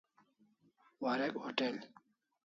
Warek hotel